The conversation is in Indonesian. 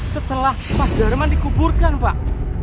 setelah pak jerman dikuburkan pak